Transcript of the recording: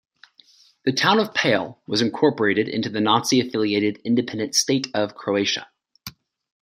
The town of Pale was incorporated into the Nazi-affiliated Independent State of Croatia.